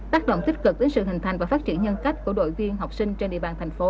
tác động tích cực đến sự hình thành và phát triển nhân cách của đội viên học sinh trên địa bàn thành phố